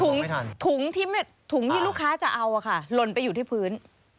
พอไม่ทันถุงที่ไม่ถุงที่ลูกค้าจะเอาอ่ะค่ะหล่นไปอยู่ที่พื้น